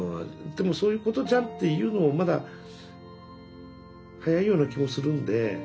でも「そういうことじゃん」って言うのもまだ早いような気もするんで。